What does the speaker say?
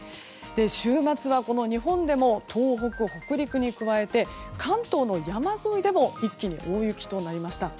週末は日本でも東北、北陸に加えて関東の山沿いでも一気に大雪となりました。